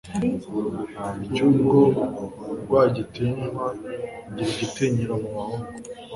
icyubwo Rwagitinywa ngira igitinyiro mu bahungu